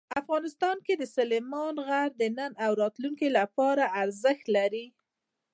افغانستان کې سلیمان غر د نن او راتلونکي لپاره ارزښت لري.